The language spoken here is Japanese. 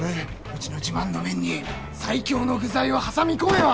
うちの自慢の麺に最強の具材を挟み込めば。